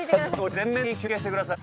全面的に休憩してください。